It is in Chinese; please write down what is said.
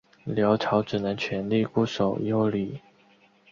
辽朝只能全力固守幽蓟。